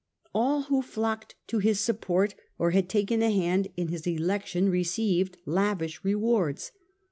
All who flocked to his support or had taken a hand in his election received lavish rewards.